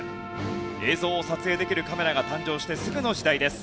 映像を撮影できるカメラが誕生してすぐの時代です。